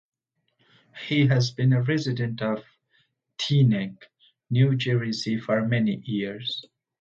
He has been a resident of Teaneck, New Jersey for many years.